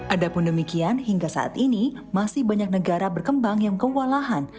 adapun demikian hingga saat ini masih banyak negara berkembang yang kewalahan